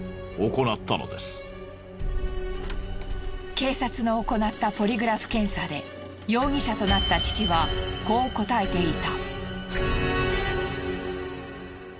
警察の行ったポリグラフ検査で容疑者となった父はこう答えていた。